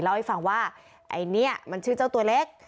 เล่าให้ฟังว่าไอ้เนี่ยมันชื่อเจ้าตัวเล็ก